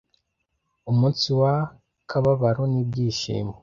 Umunsi w'akababaro n'ibyishimo